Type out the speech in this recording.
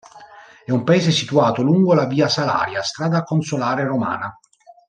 È un paese situato lungo la Via Salaria, strada consolare romana.